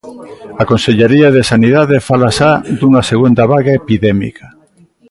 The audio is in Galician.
A conselleira de Sanidade fala xa dunha segunda vaga epidémica.